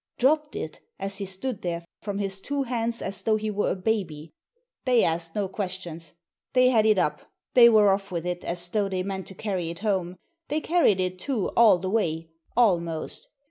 — dropped it, as he stood there, from his two hands as though he were a baby ! They asked no questions. They had it up; they were off with it, as though they meant to carry it home. They carried it, too, all the way — almost!